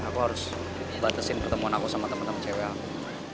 aku harus dibatasiin pertemuan aku sama temen temen cewek aku